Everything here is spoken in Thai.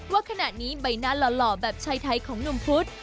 ว่าขณะนี้ใบหน้าหล่อแบบชายไทยของหนุ่มพุธ